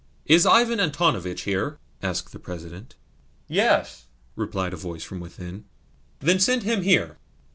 "Is Ivan Antonovitch here?" asked the President. "Yes," replied a voice from within. "Then send him here."